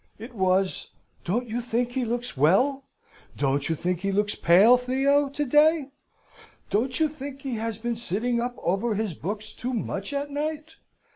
It was, "Don't you think he looks well?" "Don't you think he looks pale, Theo, to day?" "Don't you think he has been sitting up over his books too much at night?"